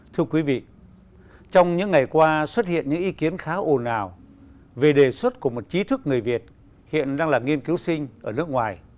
thưa quý vị trong những ngày qua xuất hiện những ý kiến khá ồn ào về đề xuất của một trí thức người việt hiện đang là nghiên cứu sinh ở nước ngoài